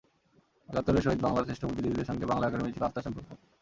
একাত্তরের শহীদ বাংলার শ্রেষ্ঠ বুদ্ধিজীবীদের সঙ্গে বাংলা একাডেমির ছিল আত্মার সম্পর্ক।